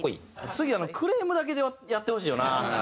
次クレームだけでやってほしいよな。